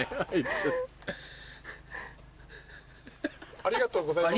ありがとうございます。